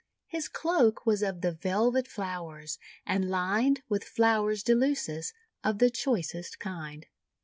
His cloak was of the velvet flowers, and lined With Flower s de Luces, of the choicest kind.